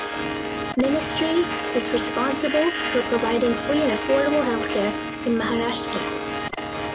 Ministry is responsible for providing free and affordable healthcare in Maharashtra.